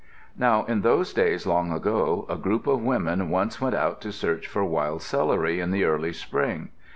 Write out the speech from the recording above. Now in those days long ago, a group of women once went out to search for wild celery in the early spring.